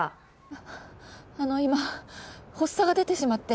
あの今発作が出てしまって。